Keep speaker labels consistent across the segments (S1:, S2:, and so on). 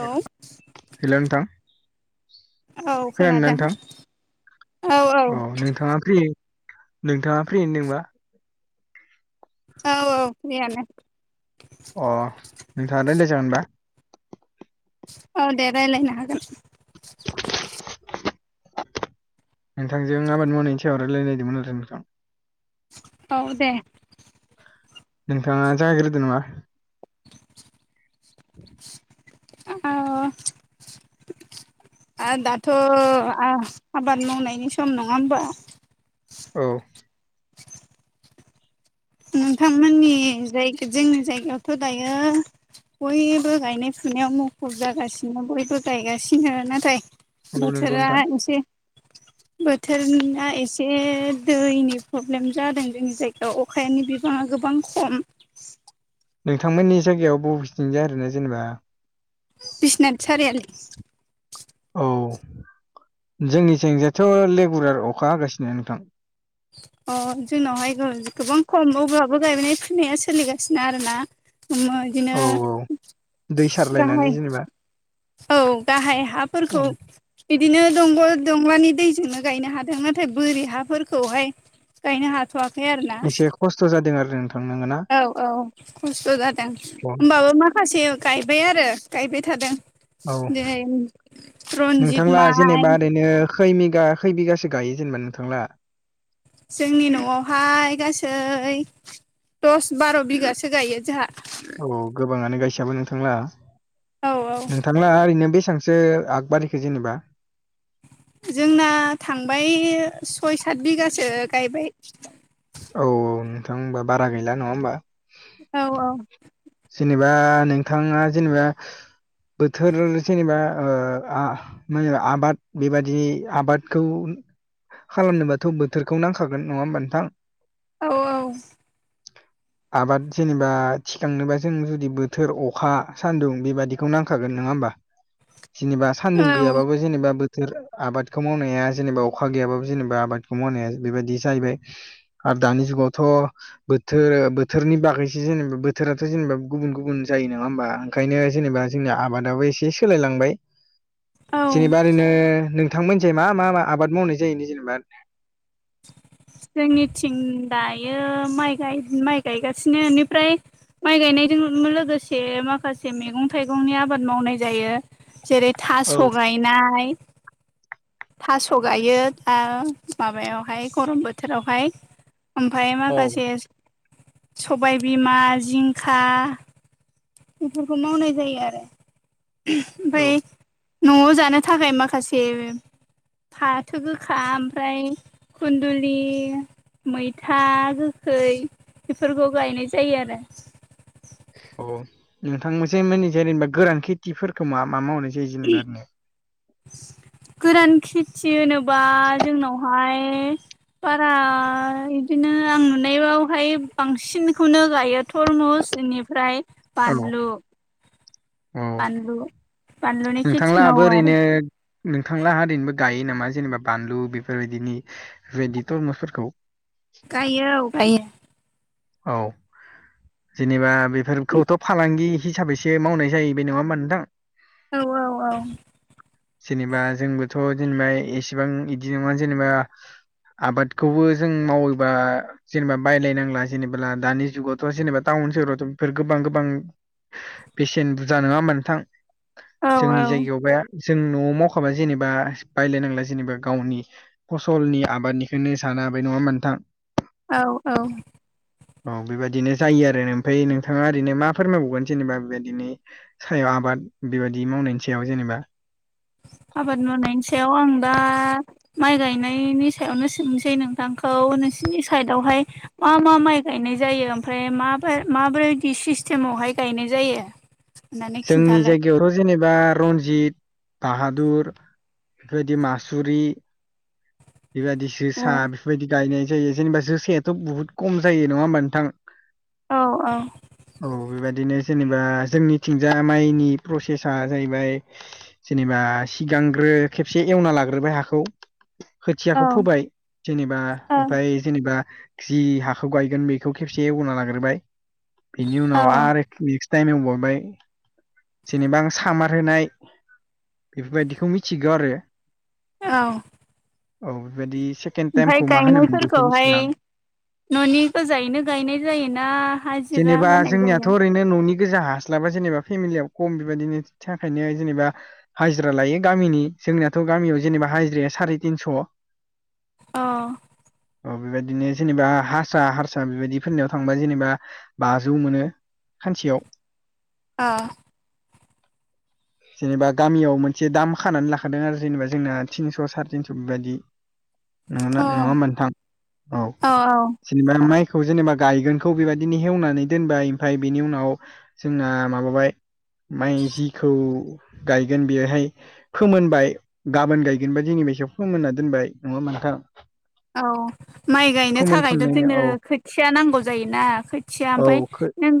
S1: औ
S2: हेल' नोंथां
S1: औ
S2: फैानोा
S1: खोनादों
S2: नोंथां औ नोंथाङा फ्रि नोंथाङा फ्रि होनदों बा
S1: औ औ फैयानो
S2: अ नोंथाङा देग्लाय जागोनबा
S1: औ दे रायज्लायनो हागोन
S2: नोंथांजों आबाद मावनायनि सायाव रायलायनायदोंमोन नोंथां- नोंथां।
S1: औ दे।
S2: नोंथाङा जागायग्रोदो नामा?
S1: [unintelligible] आ दाथ' आ-आबाद मावनायनि सम नङा होमबा?
S2: औ।
S1: नोंथांमोननि जायगा जोंनि जायगायावथ' दायो बयबो गायनाय फुनायाव मुखुब जागासिनो बयबो गायगासिनो नाथाय
S2: औ नंगौ
S1: बोथोरा
S2: नोंथां
S1: एसे बोथोरा एसे दैनि प्रब्लेम जादों जोंनि जायगायाव। अखानि बिबाङा गोबां खम।
S2: नोंथांमोननि जायगायाव बबेथिंजाय आरोना जेनेबा।
S1: बिसिनाथ सारियालि।
S2: औ जोंनिथिंजायथ' लेगुरार अखा हागासिनो नोंथां।
S1: अ जोंनावहाय गो-गोबां खमबावब्लाबो गायनाय फुनाया सोलिगासिनो आरोना। ओम इदिनो
S2: औ औ दै सारलायनानै
S1: गाहाय
S2: जेनेबा
S1: औ गाहाय हाफोरखौ बिदिनो दंगल-दंलानि दैजोंनो गायनो हादों नाथाय बोरि हाफोरखौहाय गायनो हाथ'वाखै आरो ना।
S2: एसे खस्थ जादों आरो नोंथा
S1: औ-औ खस्थ' जादों।
S2: औ
S1: होमबाबो माखासे गायबाय आरो गायबाय थादों।
S2: औ
S1: जेरै रन्जित
S2: नोंथांलाहा
S1: माइ
S2: जेनेबा ओरैनो खै बिगा खै बिगासो गायो जेनेबा नोंथांलाहा?
S1: जोंनि न'आवहाय गासै दस बार' बिगासो गायो जाहा।
S2: अ गोबाङानो गायसबो नोंथांलाहा।
S1: औ औ
S2: नोंथां नंला ओरैनो बेसेबांसो आगबारिखो जेनेबा?
S1: जोंना थांबाय सय सात बिगासो गायबाय।
S2: औ-औ नोंथां होनबा बारा गैला नङा होनबा।
S1: औ-औ।
S2: जेनेबा नोंथाङा जेनेबा बोथोर जेनेबा ओ आ मो आबाद बेबादि आबादखौ खालामनोबाथ' बोथोरखौ नांखागोन नङा होमबा नोंथां।
S1: औ-औ।
S2: आबाद जेनेबा थिखांनोबा जों जुदि बोथोर अखा सान्दुं बेबादिखौ नांखागोन नङा होमबा। जेनेबा सान्दुं
S1: औ
S2: गैयाबाबो जेनेबा बो [unintelligible] आबादखौ मावनाया जेनेबा अखा गैयाबाबो जेनेबा आबादखौ मावनाया बेबायदि जाहैबाय। आरो दानि जुगावथ' बोथोर-बोथोरनि बागैसो जेनेबा बोथोराथ' जेनेबा गुबुन-गुबुन जायो नङा होमबा। ओंखायनो जेनेबा जोंनि आबादाबो एसे सोलायलांबाय।
S1: औ
S2: जेनेबा ओरैनो नोंथांमोनजों मा-मा आबाद मावनाय जायो जेनेबा?
S1: जोंनिथिं दायो माइ गाय माइ गायगासिनो इनिफ्राय माइ गायनायजों लोगोसे माखासे मैगं-थाइगंनि आबाद मावनाय जायो। जेरै
S2: औ
S1: थास' गायनाय। थास' गायो दा माबायावहाय गरम बोथोरावहाय ओमफ्राय
S2: औ
S1: माखासे सबायबिमा जिंखा बेफोरखौ मावनाय जायो आरो। ओमफाय न'आव जानो थाखाय माखासे फाथो गोखा ओमफ्राय खन्दुलि मैथा गोखै बेफोरखौ गायनाय जायो आरो।
S2: औ नोंथां मोनसे मे जेनेबा गोरान खेथिफोरखौ मा मा मावनाय जायो जेनेबा आरो ने
S1: गोरान खेथि होनोबा जोंनावहाय बारा इदिनो आं नुनायावहाय बांसिनखौनो गायो थरमुसनि एनि फ्राय बानलु
S2: अ।
S1: [inaudible] बानलुनि खेथि
S2: नोंथांलाहाबो
S1: मावो आरो
S2: ओरैनो नोंथांलाहा निबो गायो नामा जेनेबा बानलु बेफोर बायदिनि बेफोर बायदि थरम'सफोरखौ।
S1: गायो औ गायो।
S2: औ जेनेबा बेफोरखौथ' फालांगि हिसाबैसो मावनाय जायो नङा होमबा बे नोंथां।
S1: औ औ औ।
S2: जेनेबा जोंबोथ' जेनेबा एसेबां बिदि नङा जेनेबा आबादखौबो जों मावोबा जेनेबा बायलायनांला। जेनेब्ला दानि जुगावथ' जेनेबा टाउन सोहोरावथ' बेफोर गोबां गोबां बेसेन बुरजा नङा होनबा नोंथां
S1: औ
S2: जोंनि जायगायाव बे जों न'आव मावखाबा जेनेबा बायलायनांला जेनेबा गावनि फसलनि आबाद निखोननो साना हाबाय नङा होनबा नोंथां।
S1: औ औ।
S2: औ बेबादिनो जायो आरो आमफ्राय नोंथांआ ओरैनो मा फोरमायबावगोन जेनोबा बेबायदिनो सायाव आबाद बेबादि मावनायनि सायाव जेनोबा
S1: आबाद मावनायनि सायाव आं दा माइ गायनायनि सायावनो सोंनोसै नोंथांखौ नोंसिनि साइद आवहाय मा मा माइ गायनाय जायो आमफ्राय मा माबादि सिस्टेमावहाय गायनाय जायो होननानै
S2: जोंनि
S1: खिन्थालाय
S2: जायगाया यावथ' जेनेबा रन्जित बाहादुर बेफोरबायदि मासुरि बेबायदि
S1: औ
S2: जोसा बेफोरबायदि गायनाय जायो जेनेबा जोसायाथ' बुहुद खम जायो नङा होमबा नोंथां।
S1: औ औ।
S2: औ बेबायादिनो जेनेबा जोंनिथिंजा माइनि प्रसेसा जाहैबाय जेनोबा सिगांग्रो खेबसे एवना लाग्रोबाय हाखौ
S1: औ
S2: खोथिआखौ फोबाय जेनोबा आमफाय जेनोबा जि हाखौ गायगोन बेखौ खेबसे एवना लाग्रोबाय बिनि उनाव
S1: औ
S2: आरो नेक्स्ट टाइम एवबावबाय जेनोबा आं सामार होनाय बेफोरबादिखौ मिथिगौ आरो
S1: औ
S2: औ बेबादि एसे
S1: आमफाय गायनाय फोरखौ हाय न'नि गोजायैनो गायनाय जायोना हाजिरा होनाय
S2: जोंनिआथ'
S1: जायो
S2: ओरैनो न'नि गोजा हास्लाबा जेनोबा फेमिलियाव खम बेबादिनि थाखायनो जेनोबा हाजिरा लायो गामिनि जोंनिआथ' गामिआव जेनोबा हाजिराया साराय तिनस'
S1: अ
S2: औ बेबादिनो जेनोबा हारसा हारसा बेबादिफोरनिआव थांबा जेनोबा बाजौ मोनो सानसेयाव
S1: ओह
S2: [inaudible] जेनोबा गामियाव मोनसे दाम खानानै लाखादों आरो जेनोबा जोंना तिनस' साराय थिनस' बिबादि उम
S1: अ
S2: नङा होनबा नोंथां औ जेनोबा माइखौ जेनोबा गायगोनखौ बेबायदिनो हेवनानै दोनबाय आमफ्राय बेनि उनाव जोंना माबाबाय माइ जिखौ गायगोन बेआहाय फोमोनबाय गाबोन गायगोनबा दिनै बासिआव फोमोनना दोनबाय नङा नोंथां
S1: औ माइ गायनो थाखायथ'
S2: फोमोनखांनायनि
S1: जोंनो
S2: औ
S1: खोथिआ नांगौ जायोना खोथिआ
S2: औ
S1: आमफ्राय
S2: खो
S1: नों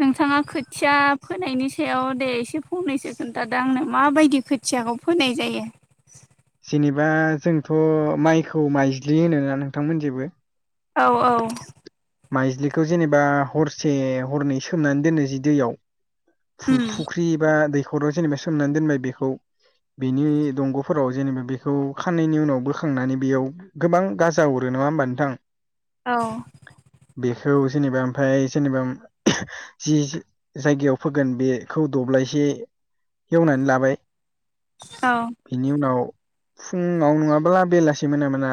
S1: नोंथाआ खोथिआ फोनायनि सायाव दे एसे फंनैसो खोन्थादो आंनो माबायदि खोथिआ खोथिआखौ फोनाय जायो
S2: जेनोबा जोंथ' माइखौ माइज्लि होनोना नोंथां मोनिथिबो
S1: औ औ
S2: माइज्लिखौ जेनोबा हरसे हरनै सोमनानै दोनो जि दैयाव फु
S1: उम
S2: फुख्रि एबा दैखराव जेनोबा सोमनानै दोनबाय बेखौ बेनि दंग'फोराव जेनोबा बेखौ खाननैनि उनाव बोखांनानै बेयाव गोबां गाजा अरो नङा होमबा नोंथां
S1: औ
S2: बेखौ जेनोबा आमफाय जेनोबा जि जायगायाव फोगोन बेखौ दब्लायसे एवनानै लाबाय
S1: औ
S2: बिनि उनाव फुंआव नङाब्ला बेलासि मोना मोना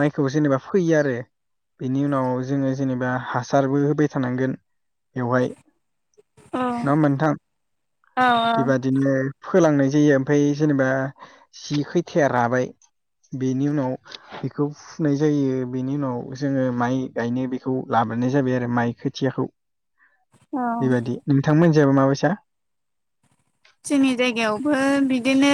S2: माइखौ जेनेबा फोयो आरो। बेनि उनाव जोङो जेनेबा हासारबो होबाय थानांगोन बेवहाय। नङा होनबा नोंथां?
S1: औ
S2: बेबा
S1: औ
S2: दिनो फोलांनाय जायो ओमफ्राय जेनेबा जि खैथाया राबाय बेनि उनाव बेखौ फुनाय जायो बेनि उनाव जोङो माइ गायनो बेखौ लाबोनाय जाबाय आरो माइ खोथियाखौ
S1: औ
S2: बेबादि। नोंथांमोनजाबा माबायसा?
S1: जोंनि जायगायावबो बिदिनो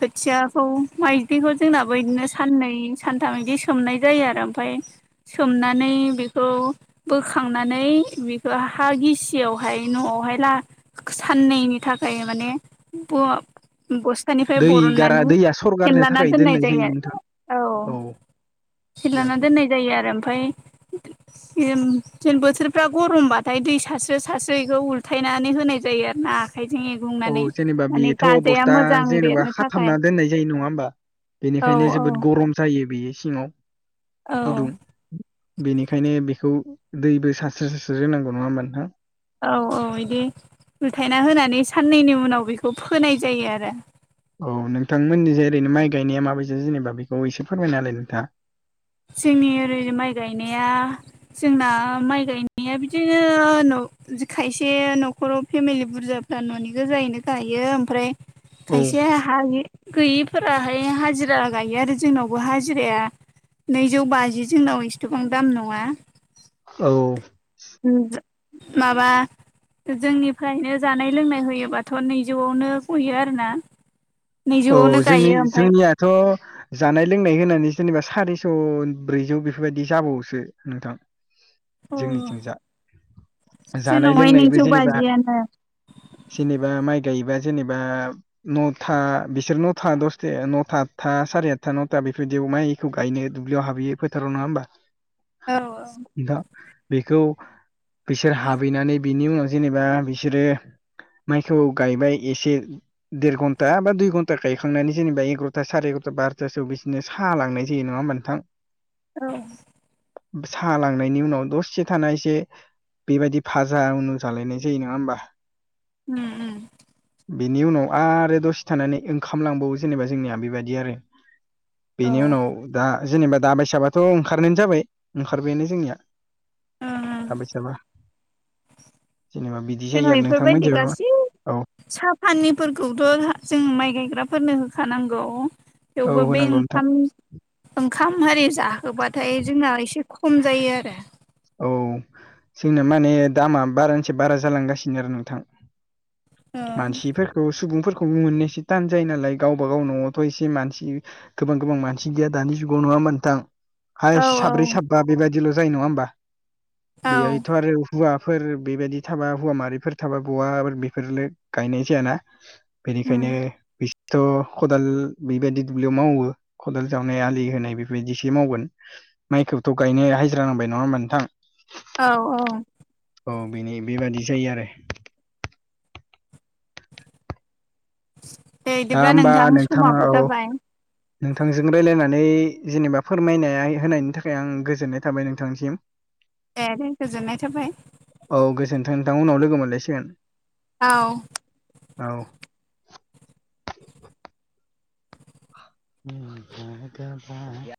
S1: खोथिआखौ माइदिखौ जोंनाबो इदिनो साननै सानथाम बिदि सोमनाय जायो आरो आमफ्राय सोमनानै बिखौ बोखांनानै बेखौ हा गिसिआवहाय न'आवहाय ला साननैनि थाखाय मानि ब ब'स्थानिफ्राय
S2: दै गारा
S1: बरननानै
S2: दैया सरगारनो
S1: फेनलाना
S2: थाखाय
S1: दोननाय जायो
S2: नोंथां
S1: औ फेनलाना
S2: बेबादि
S1: दोननाय जायो आरो आमफ्राय इम जेन बोथोरफ्रा गरमबाथाय दै सारस्रो सारस्रो इखौ उल्थायनानै होनाय जायो आरो ना आखाय [unintelligible]
S2: औ जेनेबा बेथ' बस्था जेनेबा
S1: बेरनो थाखाय
S2: खाथाबना दोननाय जायो नङा होमबा?
S1: औ
S2: बेनिखायनो जोबोद गरम जायो बेयो सिङाव
S1: औ
S2: गुदुं। बेनिखायनो बेखौ दैबो सारस्रो सारस्रो होनांगौ नङा होमबा नोंथां?
S1: औ औ इदि उलथायना होनानै साननैनि उनाव बेखौ फोनाय जायो आरो।
S2: औ नोंथांमोननिजाय ओरैनो माइ गायनाया माबायदि जेनेबा बेखौ एसे फोरमायना होलाय नोंथाङा।
S1: जोंनि ओरै माइ गायनाया जोंना माइ गायनाया बिदिनो न' इदि खायसे न'खराव फेमिलि बुरजाफ्रा न'नि गोजायैनो गायो ओमफ्राय
S2: औ
S1: खायसे हागि गैयिफोराहाय हाजिरा गायो आरो जोंनावबो हाजिराया नैजौ बाजि जोंनाव एसथबां दाम नङा।
S2: औ।
S1: उम माबा जोंनिफ्रायनो जानाय लोंनाय होयोबाथ' नैजौआवनो गयो आरोना।
S2: औ
S1: नैजौआवनो
S2: जोंनि
S1: गायो ओमफ्राय
S2: जोंनियाथ' जानाय लोंनाय होनानै जेनेबा सारिस' ब्रैजौ बेफोरबायदि जाबावोसो नोंथां। [inaudible]
S1: अ
S2: [unintelligible] जोंनिथिं जा जानाय
S1: जोंनावहाय
S2: लोंनायबो
S1: नैजौ
S2: जेनेबा
S1: बाजियानो
S2: जेनेबा माइ गायोबा जेनेबा न'था बिसोर नथा दसथा नथा आदथा साराइ आदथा नथा बेफोरबायदि माइखौ गायनो दुब्लियाव हाबहैयो फोथाराव नङा होमबा? [unintelligible]
S1: औ औ।
S2: नोंथां बेखौ बिसोर हाबैनानै बिनि उनाव जेनेबा बिसोरो माइखौ गायबाय एसे देर घन्टा बा दुइ घ न्टा गायखांनानै जेनबा एगर'था सारय एगर'था बार'थासोआव बिसनो साह लांनाय जायो नङा नोंथां?
S1: औ।
S2: साहा लांनायनि उनाव दसे थाना एसे बेबायदि भाजा उनु जालायनाय जायो नङा होमबा?
S1: उम।
S2: बिनि उनाव आरो दसे थानानै ओं खाम लांबावो जेनेबा जोंनिया बेबायदि आरो।
S1: औ
S2: बेनि
S1: ओं
S2: उनाव दा जेनेबा दाबायसाबाथ' ओंखारनायानो जाबाय ओंखारबायानो जोंनिया। साबै साबा जेनेबा बिदि जायो
S1: जोंना
S2: आरो नोंथांमोन
S1: एफोरबायदि
S2: जेनेबा
S1: गासै
S2: औ
S1: साहा फानिफोरखौथ' जों माइ गायग्राफोरनो होखानांगौ।
S2: औ
S1: थेवबो बे
S2: होनांगौ नोंथां
S1: ओंखाम ओंखाम हारि जाहोबाथाय जोंना एसे खम जायो आरो।
S2: औ जोंना माने दामा बारानिसाय बारा जालांगासिनो आरो नोंथां। मानसिफोरखौ सुबुंफोरखौबो मोननो एसे थान जायो नालाय गावबागाव न'आवथ' एसे मानसि गोबां गोबां मानसि गैया दानि जुगाव नङा होनबा नोंथां? हायस साब्रै
S1: औ
S2: साबा बेबायदिल' जायो नङा होमबा
S1: औ
S2: बेहायथ' आरो हौवाफोर बेबायदि थाबा हौवा मारिफोर थाबा बवाफोर बेफोरनो गायनाय जायाना बेनिखायनो बिसोरथ' खदाल बेबायदि दुब्लियाव मावो खदाल जावनाय आलि होनाय बेफोरबायदिसो मावगोन माइखौथ' गायनो हाजिरा नांबाय नङा होमबा नोंथां?
S1: औ औ।
S2: औ बेनि बेबायादि जायो आरो।
S1: दे
S2: दा
S1: बिदिब्ला
S2: होमबा
S1: नोंथां
S2: नोंथाङा
S1: समाबो
S2: औ।
S1: जाबाय
S2: नोंथांजों रायज्लायनानै जेनेबा फोरमायनाय होनायनि थाखाय आं गोजोननाय थाबाय नोंथांसिम। [inaudible]
S1: दे दे गोजोननाय थाबाय।
S2: औ गोजोनथों नोंथां उनाव लोगो मोनलायसिगोन।
S1: औ।
S2: औ। [unintelligible]